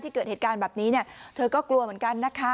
เกิดเหตุการณ์แบบนี้เนี่ยเธอก็กลัวเหมือนกันนะคะ